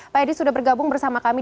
pak edi sudah bergabung bersama kami